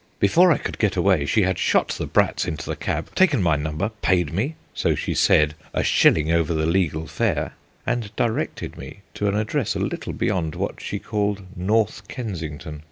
Before I could get away she had shot the brats into the cab, taken my number, paid me, so she said, a shilling over the legal fare, and directed me to an address a little beyond what she called North Kensington.